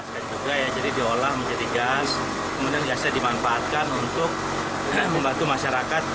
juga ya jadi diolah menjadi gas kemudian gasnya dimanfaatkan untuk membantu masyarakat